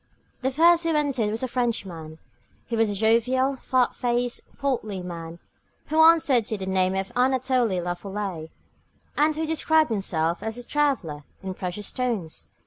The first who entered was a Frenchman. He was a jovial, fat faced, portly man, who answered to the name of Anatole Lafolay, and who described himself as a traveller in precious stones.